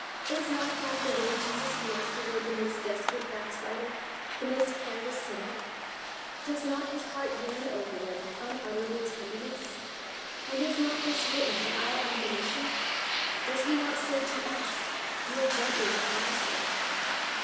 Is not that the way Jesus feels toward the most desperate backslider, the most careless sinner? Does not His heart yearn over them with unutter able tenderness? And is not this written for our admonition? Does He not say to us, "Deal gently for My sake"?